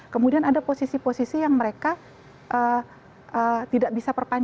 kemudian ada posisi posisi yang mereka tidak bisa perpanjang